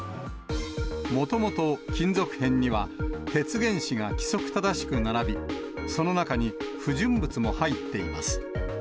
もともと金属片には、鉄原子が規則正しく並び、その中に不純物も入っています。